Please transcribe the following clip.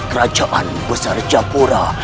kerajaan besar jakarta